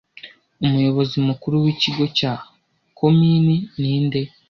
Umuyobozi mukuru w'ikigo cya Komini ninde